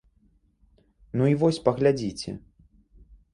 Ну і вось паглядзіце.